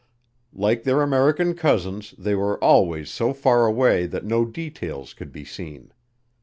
Like their American cousins, they were always so far away that no details could be seen.